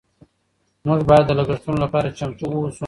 موږ باید د لګښتونو لپاره چمتو اوسو.